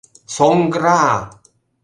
Соҥгыра!